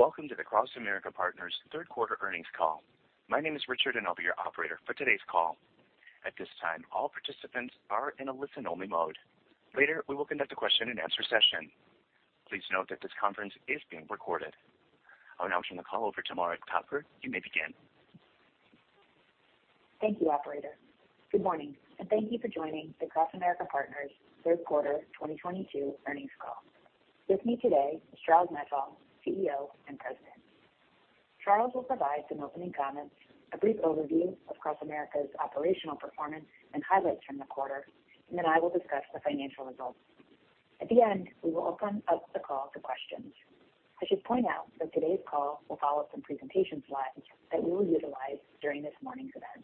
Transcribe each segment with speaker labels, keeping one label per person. Speaker 1: Welcome to the CrossAmerica Partners third quarter earnings call. My name is Richard, and I'll be your operator for today's call. At this time, all participants are in a listen-only mode. Later, we will conduct a question-and-answer session. Please note that this conference is being recorded. I will now turn the call over to Maura Topper. You may begin.
Speaker 2: Thank you, operator. Good morning, and thank you for joining the CrossAmerica Partners third quarter 2022 earnings call. With me today is Charles Nifong, CEO and President. Charles will provide some opening comments, a brief overview of CrossAmerica's operational performance and highlights from the quarter, and then I will discuss the financial results. At the end, we will open up the call to questions. I should point out that today's call will follow some presentation slides that we will utilize during this morning's event.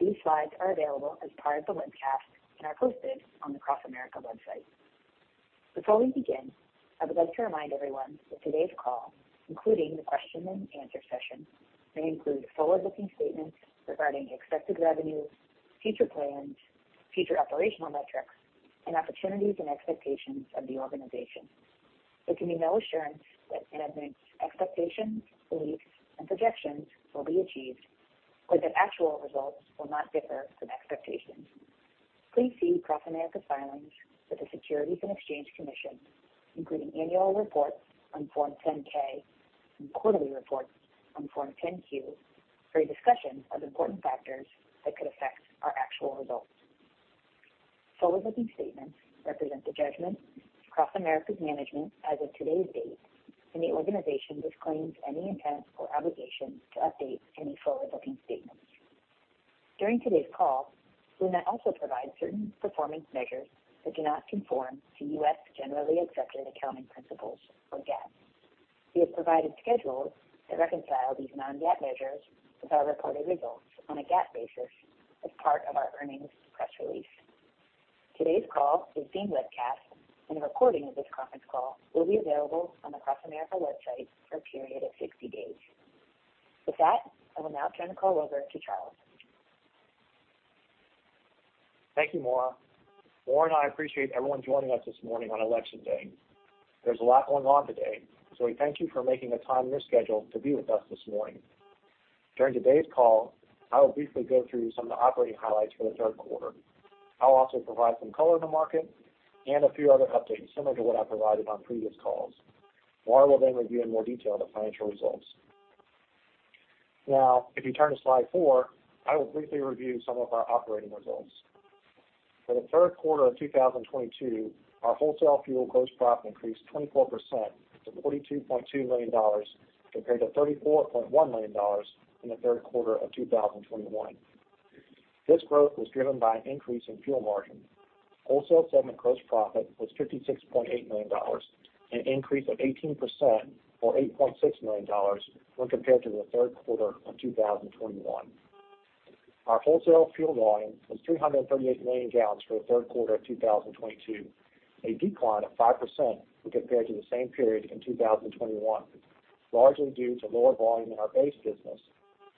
Speaker 2: These slides are available as part of the webcast and are posted on the CrossAmerica website. Before we begin, I would like to remind everyone that today's call, including the question-and-answer session, may include forward-looking statements regarding expected revenues, future plans, future operational metrics, and opportunities and expectations of the organization. There can be no assurance that management's expectations, beliefs, and projections will be achieved or that actual results will not differ from expectations. Please see CrossAmerica's filings with the Securities and Exchange Commission, including annual reports on Form 10-K and quarterly reports on Form 10-Q for a discussion of important factors that could affect our actual results. Forward-looking statements represent the judgment of CrossAmerica's management as of today's date, and the organization disclaims any intent or obligation to update any forward-looking statements. During today's call, we may also provide certain performance measures that do not conform to U.S. generally accepted accounting principles or GAAP. We have provided schedules that reconcile these non-GAAP measures with our reported results on a GAAP basis as part of our earnings press release. Today's call is being webcast, and a recording of this conference call will be available on the CrossAmerica website for a period of 60 days. With that, I will now turn the call over to Charles.
Speaker 3: Thank you, Maura. Maura and I appreciate everyone joining us this morning on Election Day. There's a lot going on today, so we thank you for making the time in your schedule to be with us this morning. During today's call, I will briefly go through some of the operating highlights for the third quarter. I'll also provide some color on the market and a few other updates similar to what I provided on previous calls. Maura will then review in more detail the financial results. Now, if you turn to slide four, I will briefly review some of our operating results. For the third quarter of 2022, our wholesale fuel gross profit increased 24% to $42.2 million compared to $34.1 million in the third quarter of 2021. This growth was driven by an increase in fuel margin. Wholesale segment gross profit was $56.8 million, an increase of 18% or $8.6 million when compared to the third quarter of 2021. Our wholesale fuel volume was 338 million gallons for the third quarter of 2022, a decline of 5% when compared to the same period in 2021, largely due to lower volume in our base business,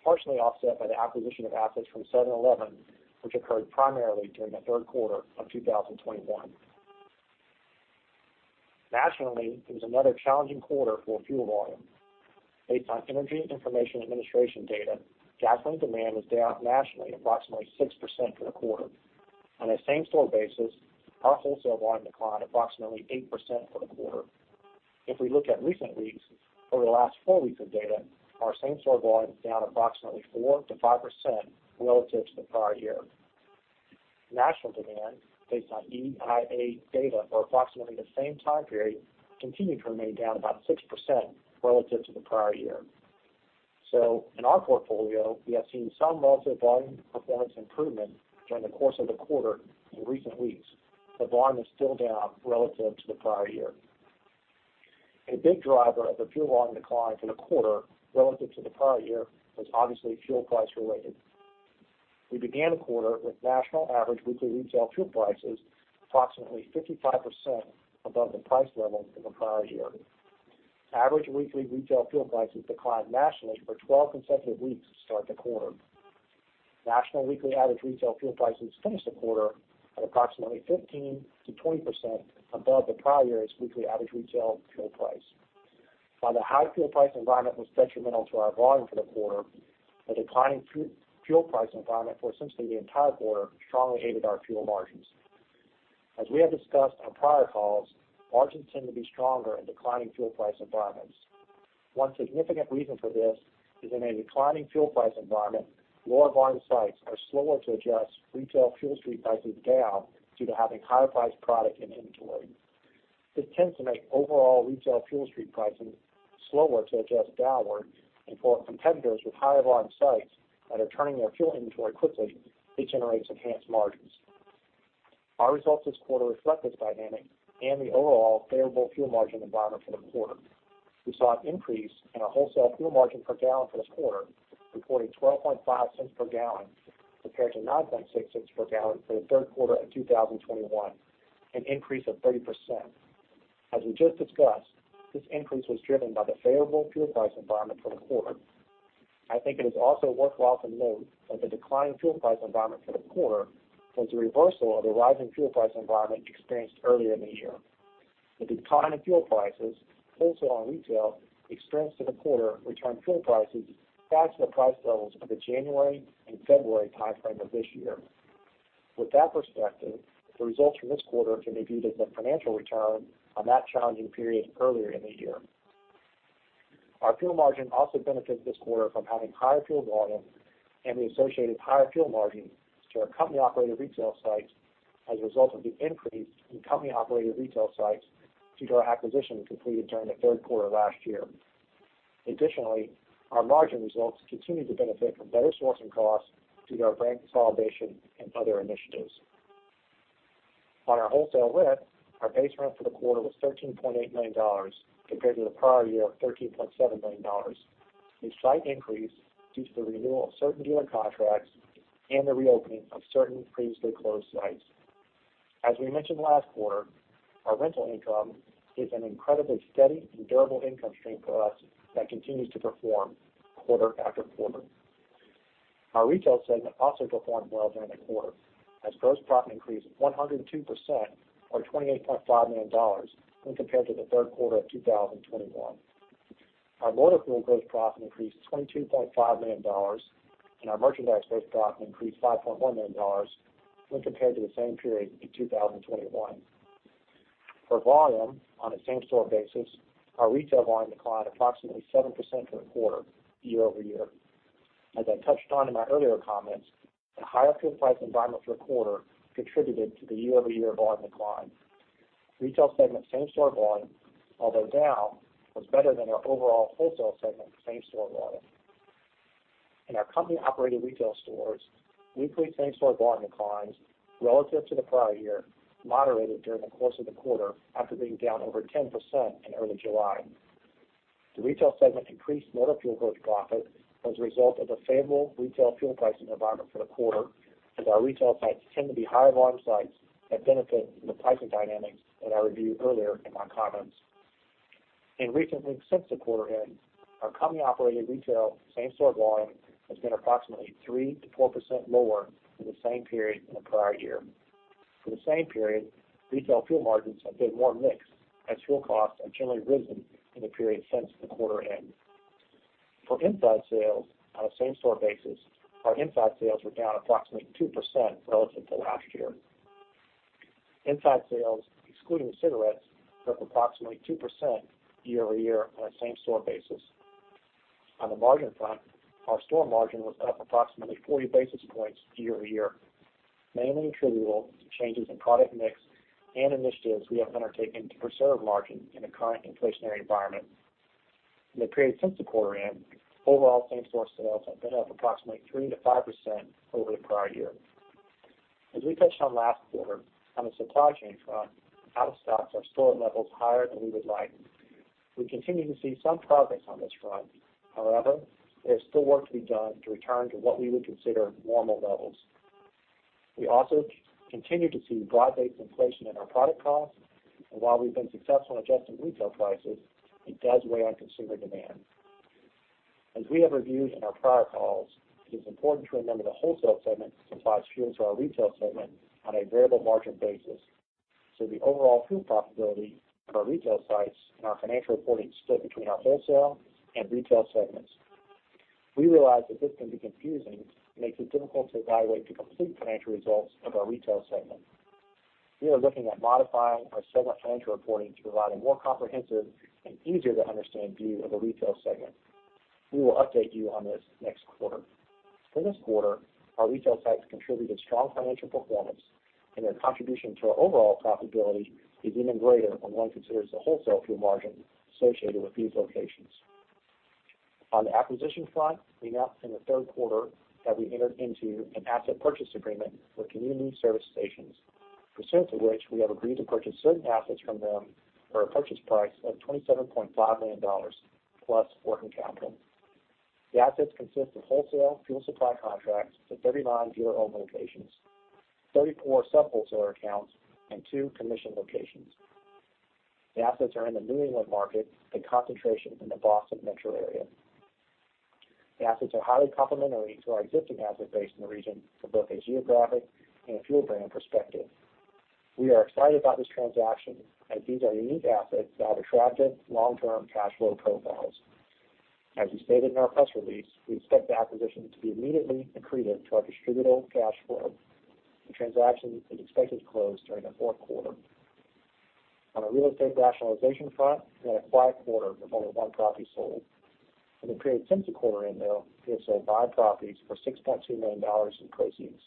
Speaker 3: partially offset by the acquisition of assets from 7-Eleven, which occurred primarily during the third quarter of 2021. Nationally, it was another challenging quarter for fuel volume. Based on Energy Information Administration data, gasoline demand was down nationally approximately 6% for the quarter. On a same-store basis, our wholesale volume declined approximately 8% for the quarter. If we look at recent weeks over the last 4 weeks of data, our same-store volume is down approximately 4%-5% relative to the prior year. National demand based on EIA data for approximately the same time period continued to remain down about 6% relative to the prior year. In our portfolio, we have seen some wholesale volume performance improvement during the course of the quarter in recent weeks. The volume is still down relative to the prior year. A big driver of the fuel volume decline for the quarter relative to the prior year was obviously fuel price related. We began the quarter with national average weekly retail fuel prices approximately 55% above the price level in the prior year. Average weekly retail fuel prices declined nationally for 12 consecutive weeks to start the quarter. National weekly average retail fuel prices finished the quarter at approximately 15%-20% above the prior year's weekly average retail fuel price. While the high fuel price environment was detrimental to our volume for the quarter, the declining fuel price environment for essentially the entire quarter strongly aided our fuel margins. As we have discussed on prior calls, margins tend to be stronger in declining fuel price environments. One significant reason for this is in a declining fuel price environment, lower volume sites are slower to adjust retail fuel street prices down due to having higher priced product in inventory. This tends to make overall retail fuel street pricing slower to adjust downward, and for competitors with higher volume sites that are turning their fuel inventory quickly, it generates enhanced margins. Our results this quarter reflect this dynamic and the overall favorable fuel margin environment for the quarter. We saw an increase in our wholesale fuel margin per gallon for the quarter, reporting $0.125 per gallon compared to $0.096 per gallon for the third quarter of 2021, an increase of 30%. As we just discussed, this increase was driven by the favorable fuel price environment for the quarter. I think it is also worthwhile to note that the declining fuel price environment for the quarter was a reversal of the rising fuel price environment experienced earlier in the year. The decline in fuel prices, wholesale and retail, experienced in the quarter returned fuel prices back to the price levels of the January and February time frame of this year. With that perspective, the results from this quarter can be viewed as a financial return on that challenging period earlier in the year. Our fuel margin also benefited this quarter from having higher fuel volume and the associated higher fuel margin to our company-operated retail sites as a result of the increase in company-operated retail sites due to our acquisition completed during the third quarter of last year. Additionally, our margin results continue to benefit from better sourcing costs due to our brand consolidation and other initiatives. On our wholesale rent, our base rent for the quarter was $13.8 million compared to the prior year of $13.7 million, a slight increase due to the renewal of certain dealer contracts and the reopening of certain previously closed sites. As we mentioned last quarter, our rental income is an incredibly steady and durable income stream for us that continues to perform quarter after quarter. Our retail segment also performed well during the quarter as gross profit increased 102% or $28.5 million when compared to the third quarter of 2021. Our motor fuel gross profit increased $22.5 million and our merchandise gross profit increased $5.1 million when compared to the same period in 2021. For volume on a same-store basis, our retail volume declined approximately 7% for the quarter year-over-year. As I touched on in my earlier comments, the higher fuel price environment for the quarter contributed to the year-over-year volume decline. Retail segment same-store volume, although down, was better than our overall wholesale segment same-store volume. In our company-operated retail stores, weekly same-store volume declines relative to the prior year moderated during the course of the quarter after being down over 10% in early July. The retail segment increased motor fuel gross profit as a result of the favorable retail fuel pricing environment for the quarter as our retail sites tend to be high volume sites that benefit from the pricing dynamics that I reviewed earlier in my comments. Recently since the quarter end, our company-operated retail same-store volume has been approximately 3%-4% lower than the same period in the prior year. For the same period, retail fuel margins have been more mixed as fuel costs have generally risen in the period since the quarter end. For inside sales on a same-store basis, our inside sales were down approximately 2% relative to last year. Inside sales, excluding cigarettes, were up approximately 2% year-over-year on a same-store basis. On the margin front, our store margin was up approximately 40 basis points year-over-year, mainly attributable to changes in product mix and initiatives we have undertaken to preserve margin in the current inflationary environment. In the period since the quarter end, overall same-store sales have been up approximately 3%-5% over the prior year. As we touched on last quarter, on the supply chain front, out of stocks are still at levels higher than we would like. We continue to see some progress on this front. However, there is still work to be done to return to what we would consider normal levels. We also continue to see broad-based inflation in our product costs, and while we've been successful in adjusting retail prices, it does weigh on consumer demand. As we have reviewed in our prior calls, it is important to remember the wholesale segment supplies fuel to our retail segment on a variable margin basis, so the overall fuel profitability of our retail sites and our financial reporting split between our wholesale and retail segments. We realize that this can be confusing and makes it difficult to evaluate the complete financial results of our retail segment. We are looking at modifying our segment financial reporting to provide a more comprehensive and easier to understand view of the retail segment. We will update you on this next quarter. For this quarter, our retail sites contributed strong financial performance, and their contribution to our overall profitability is even greater when one considers the wholesale fuel margin associated with these locations. On the acquisition front, we announced in the third quarter that we entered into an asset purchase agreement with Community Service Stations, pursuant to which we have agreed to purchase certain assets from them for a purchase price of $27.5 million plus working capital. The assets consist of wholesale fuel supply contracts to 39 dealer-owned locations, 34 sub-wholesale accounts, and two commission locations. The assets are in the New England market with a concentration in the Boston metro area. The assets are highly complementary to our existing asset base in the region from both a geographic and a fuel brand perspective. We are excited about this transaction as these are unique assets that have attractive long-term cash flow profiles. As we stated in our press release, we expect the acquisition to be immediately accretive to our Distributable Cash Flow. The transaction is expected to close during the fourth quarter. On the real estate rationalization front, we had a quiet quarter with only one property sold. In the period since the quarter end, though, we have sold five properties for $6.2 million in proceeds.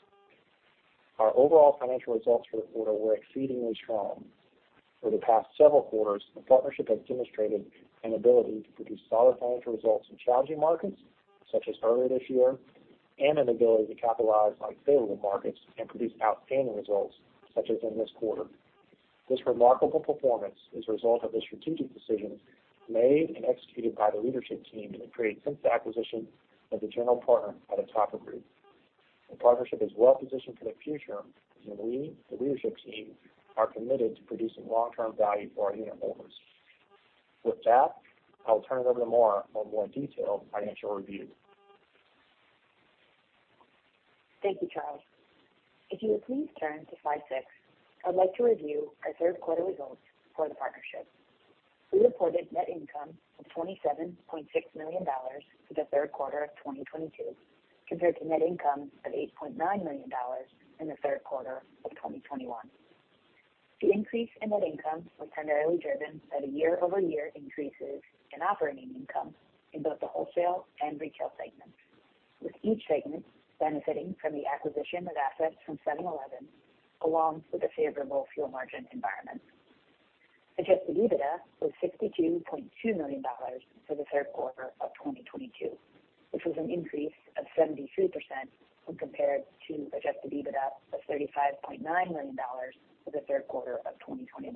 Speaker 3: Our overall financial results for the quarter were exceedingly strong. For the past several quarters, the partnership has demonstrated an ability to produce solid financial results in challenging markets, such as earlier this year, and an ability to capitalize on favorable markets and produce outstanding results, such as in this quarter. This remarkable performance is a result of the strategic decisions made and executed by the leadership team in the period since the acquisition of the general partner by the Topper Group. The partnership is well positioned for the future, and we, the leadership team, are committed to producing long-term value for our unitholders. With that, I'll turn it over to Maura for a more detailed financial review.
Speaker 2: Thank you, Charles. If you would please turn to slide 6, I'd like to review our third quarter results for the partnership. We reported net income of $27.6 million for the third quarter of 2022, compared to net income of $8.9 million in the third quarter of 2021. The increase in net income was primarily driven by the year-over-year increases in operating income in both the wholesale and retail segments, with each segment benefiting from the acquisition of assets from 7-Eleven along with a favorable fuel margin environment. Adjusted EBITDA was $62.2 million for the third quarter of 2022, which was an increase of 73% when compared to adjusted EBITDA of $35.9 million for the third quarter of 2021.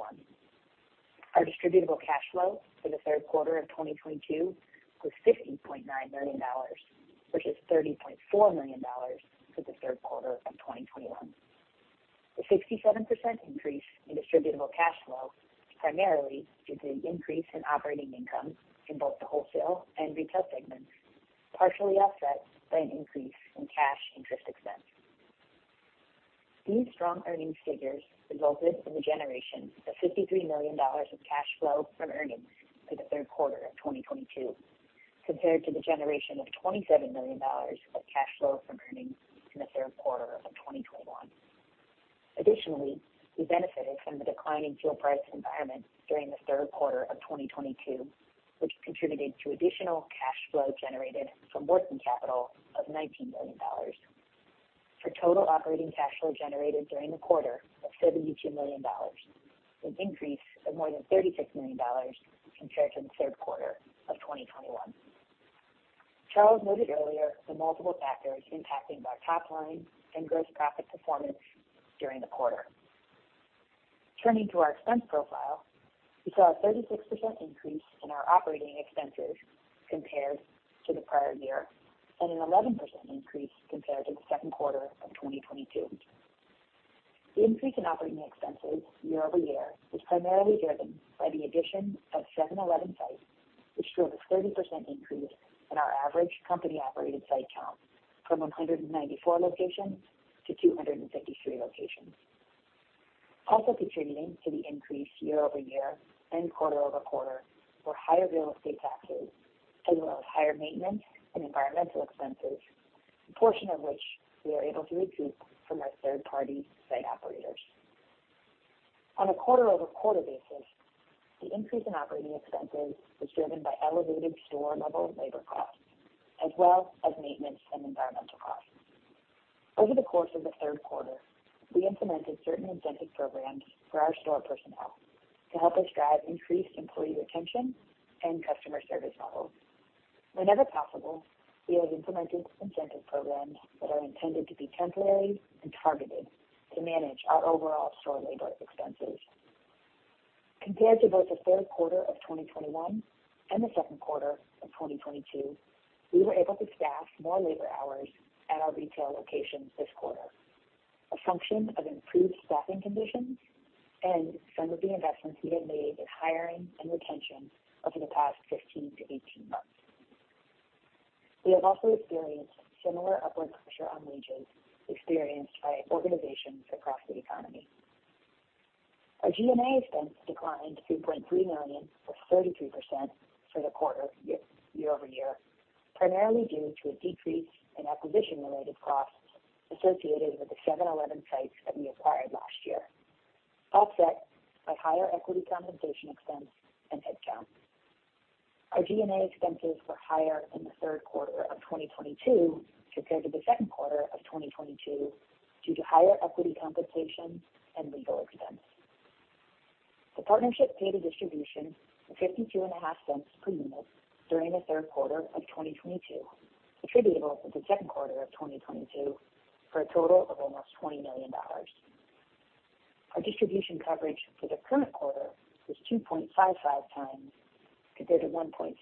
Speaker 2: Our Distributable Cash Flow for the third quarter of 2022 was $50.9 million, which is $30.4 million for the third quarter of 2021. The 67% increase in Distributable Cash Flow, primarily due to the increase in operating income in both the wholesale and retail segments, partially offset by an increase in cash interest expense. These strong earnings figures resulted in the generation of $53 million of cash flow from earnings for the third quarter of 2022, compared to the generation of $27 million of cash flow from earnings in the third quarter of 2021. Additionally, we benefited from the declining fuel price environment during the third quarter of 2022, which contributed to additional cash flow generated from working capital of $19 million. Total operating cash flow generated during the quarter of $72 million, an increase of more than $36 million compared to the third quarter of 2021. Charles noted earlier the multiple factors impacting our top line and gross profit performance during the quarter. Turning to our expense profile, we saw a 36% increase in our operating expenses compared to the prior year and an 11% increase compared to the second quarter of 2022. The increase in operating expenses year-over-year was primarily driven by the addition of 7-Eleven sites, which drove a 30% increase in our average company-operated site count from 194 locations to 253 locations. Also contributing to the increase year-over-year and quarter-over-quarter were higher real estate taxes, as well as higher maintenance and environmental expenses, a portion of which we are able to recoup from our third-party site operators. On a quarter-over-quarter basis, the increase in operating expenses was driven by elevated store level labor costs as well as maintenance and environmental costs. Over the course of the third quarter, we implemented certain incentive programs for our store personnel to help us drive increased employee retention and customer service levels. Whenever possible, we have implemented incentive programs that are intended to be temporary and targeted to manage our overall store labor expenses. Compared to both the third quarter of 2021 and the second quarter of 2022, we were able to staff more labor hours at our retail locations this quarter, a function of improved staffing conditions and some of the investments we have made in hiring and retention over the past 15 to 18 months. We have also experienced similar upward pressure on wages experienced by organizations across the economy. Our G&A expense declined to $2.3 million, or 33%, for the quarter year-over-year, primarily due to a decrease in acquisition-related costs associated with the 7-Eleven sites that we acquired last year, offset by higher equity compensation expense and headcount. Our G&A expenses were higher in the third quarter of 2022 compared to the second quarter of 2022 due to higher equity compensation and legal expense. The partnership paid a distribution of $0.525 per unit during the third quarter of 2022, attributable to the second quarter of 2022, for a total of almost $20 million. Our distribution coverage for the current quarter was 2.55 times compared to 1.53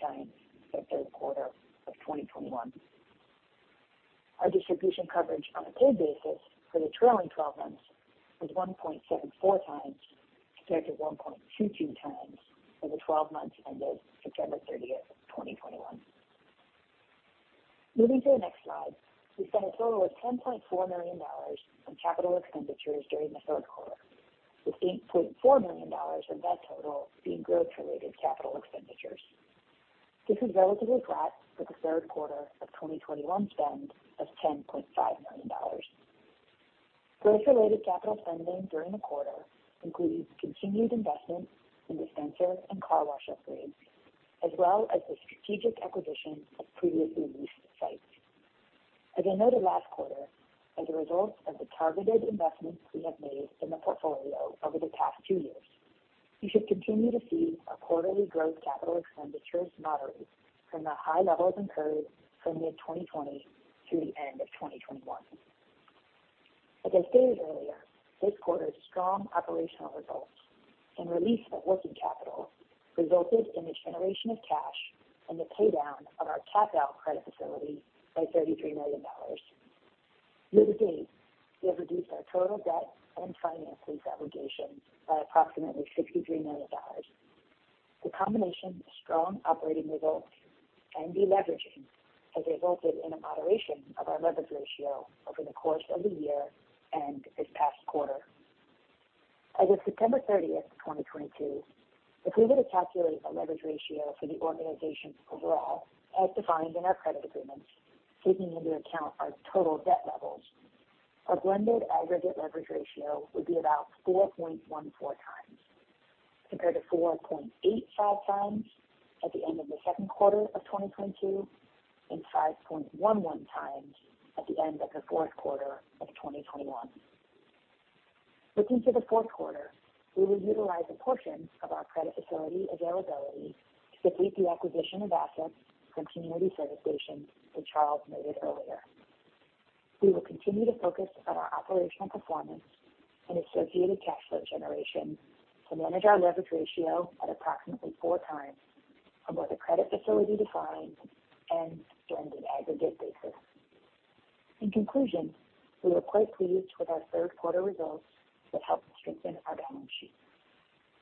Speaker 2: times for the third quarter of 2021. Our distribution coverage on a paid basis for the trailing twelve months was 1.74 times compared to 1.22 times for the twelve months ended September 30, 2021. Moving to the next slide, we spent a total of $10.4 million on capital expenditures during the third quarter, with $8.4 million of that total being growth-related capital expenditures. This is relatively flat with the third quarter of 2021 spend of $10.5 million. Growth-related capital spending during the quarter includes continued investment in dispenser and car wash upgrades, as well as the strategic acquisition of previously leased sites. As I noted last quarter, as a result of the targeted investments we have made in the portfolio over the past two years, you should continue to see our quarterly growth capital expenditures moderate from the high levels incurred from mid-2020 through the end of 2021. As I stated earlier, this quarter's strong operational results and release of working capital resulted in the generation of cash and the pay down of our revolving credit facility by $33 million. Year-to-date, we have reduced our total debt and finance lease obligations by approximately $63 million. The combination of strong operating results and de-leveraging has resulted in a moderation of our leverage ratio over the course of the year and this past quarter. As of September 30, 2022, if we were to calculate a leverage ratio for the organization overall, as defined in our credit agreements, taking into account our total debt levels, our blended aggregate leverage ratio would be about 4.14 times compared to 4.85 times at the end of the second quarter of 2022 and 5.11 times at the end of the fourth quarter of 2021. Looking to the fourth quarter, we will utilize a portion of our credit facility availability to complete the acquisition of assets from Community Service Stations that Charles noted earlier. We will continue to focus on our operational performance and associated cash flow generation to manage our leverage ratio at approximately 4 times from what the credit facility defines and blended aggregate basis. In conclusion, we were quite pleased with our third quarter results that helped strengthen our balance sheet.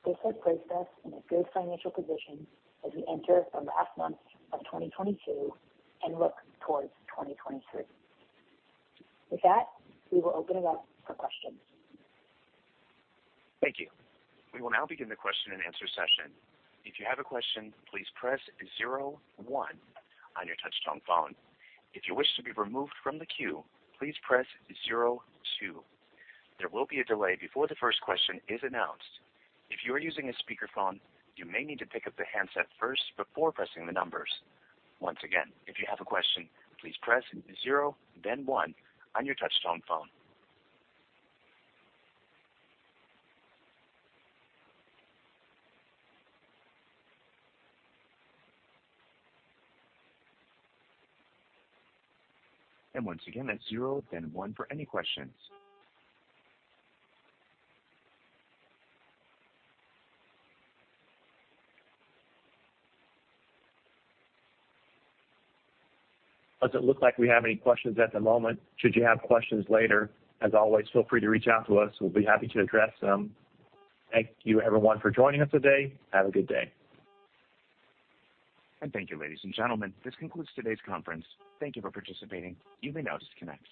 Speaker 2: This has placed us in a good financial position as we enter the last month of 2022 and look towards 2023. With that, we will open it up for questions.
Speaker 1: Thank you. We will now begin the question-and-answer session. If you have a question, please press zero one on your touchtone phone. If you wish to be removed from the queue, please press zero two. There will be a delay before the first question is announced. If you are using a speakerphone, you may need to pick up the handset first before pressing the numbers. Once again, if you have a question, please press zero, then one on your touchtone phone. Once again that's zero, then one for any questions.
Speaker 4: Doesn't look like we have any questions at the moment. Should you have questions later, as always, feel free to reach out to us. We'll be happy to address them. Thank you everyone for joining us today. Have a good day.
Speaker 1: Thank you, ladies and gentlemen. This concludes today's conference. Thank you for participating. You may now disconnect.